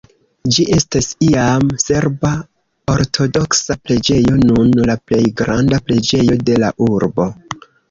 Ĝi estis iam serba ortodoksa preĝejo, nun la plej granda preĝejo de la urbo.